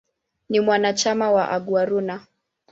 Ni mwanachama wa "Aguaruna".